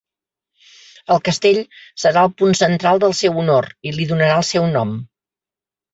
El castell serà el punt central del seu honor i li donarà el seu nom.